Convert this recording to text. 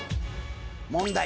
問題。